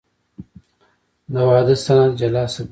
د واده سند جلا ثبتېږي.